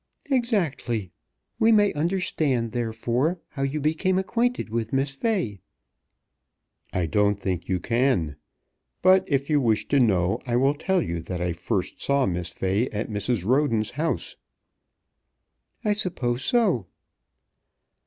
"Exactly. We may understand, therefore, how you became acquainted with Miss Fay." "I don't think you can. But if you wish to know I will tell you that I first saw Miss Fay at Mrs. Roden's house." "I suppose so."